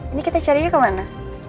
ini kita carinya kemana